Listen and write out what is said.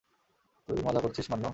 তুই মজা করছিস, মান্নু!